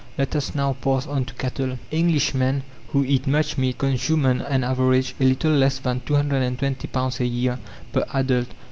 Let us now pass on to cattle. Englishmen, who eat much meat, consume on an average a little less than 220 pounds a year per adult.